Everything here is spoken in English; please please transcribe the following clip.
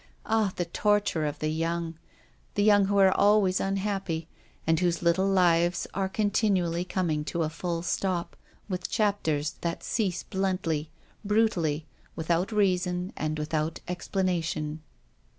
Ah, the torture of the young — the young who are always unhappy, and whose little lives are continually coming to a full stop, with chapters that cease bluntly, bru tally, without reason and without explanation